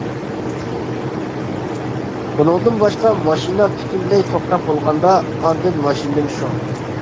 بۇنىڭدىن باشقا ماشىنا پۈتۈنلەي توختاپ بولغاندا ئاندىن ماشىنىدىن چۈشۈڭ.